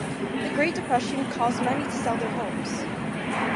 The Great Depression caused many to sell their homes.